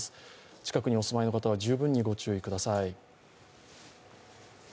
近くにお住まいの方は十分にご注意ください。